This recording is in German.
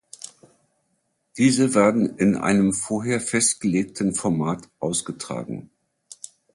Diese werden in einem vorher festgelegten Format ausgetragen.